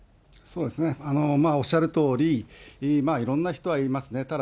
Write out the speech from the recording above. そうですね、おっしゃるとおり、いろんな人はいますね。